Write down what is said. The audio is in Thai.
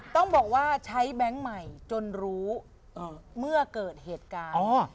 ต้องบอกว่าใช้แบงค์ใหม่จนรู้เมื่อเกิดเหตุการณ์